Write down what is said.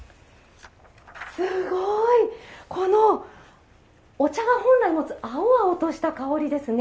すごい、このお茶が本来持つ青々とした香りですね。